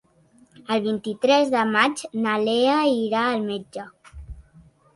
El vint-i-tres de maig na Lea irà al metge.